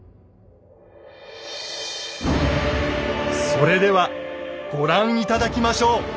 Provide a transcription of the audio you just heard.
それではご覧頂きましょう。